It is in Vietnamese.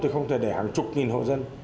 thì không thể để hàng chục nghìn hộ dân